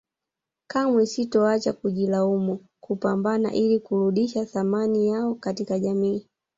Kamwe sitoacha kujilaumu kupambana ili kuludisha thamani yao katika jamii